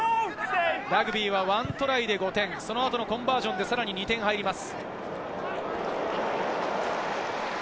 ラグビーはワントライで５点、コンバージョンでさらに２点入ります。